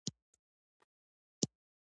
دا ځایونه د ولایاتو په کچه توپیرونه لري.